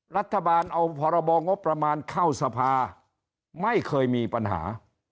รัฐบาลเอาพรบงบประมาณเข้าสภาไม่เคยมีปัญหา